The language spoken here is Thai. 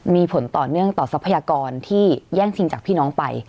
มีผลต่อเนื่องต่อทรัพยากรที่แย่งชิงจากพี่น้องไป